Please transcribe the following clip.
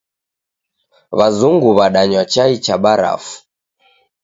W'azungu w'adanywa chai cha barafu.